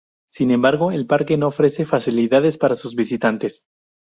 Sin embargo, el parque no ofrece facilidades para sus visitantes.